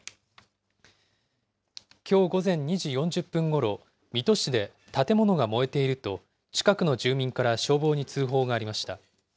きょう午前２時４０分ごろ、水戸市で建物が燃えていると、近くの住民から消防に通報がありました。